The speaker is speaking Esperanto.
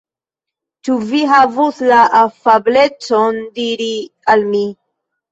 Ĉu vi havus la afablecon diri al mi.